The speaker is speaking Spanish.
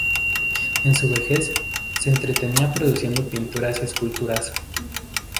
En su vejez se entretenía produciendo pinturas y esculturas.